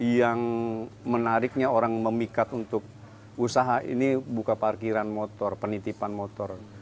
yang menariknya orang memikat untuk usaha ini buka parkiran motor penitipan motor